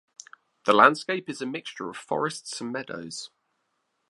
The landscape is a mixture of forests and meadows.